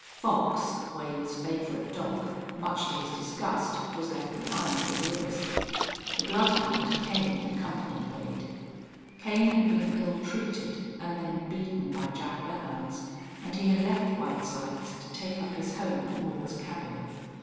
Fox, Wade's favorite dog, much to his disgust, was left behind with Lewis. The bloodhound, Kane, accompanied Wade. Kane had been ill treated and then beaten by Jack Belllounds, and he had left White Slides to take up his home at Moore's cabin.